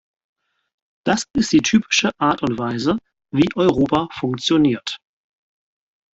Das ist die typische Art und Weise, wie Europa funktioniert.